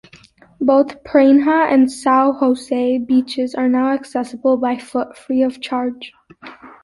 Both Prainha and Sao Jose beaches are now accessible by foot, free of charge.